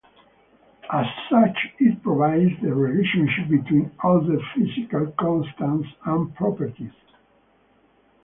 As such, it provides the relationship between other physical constants and properties.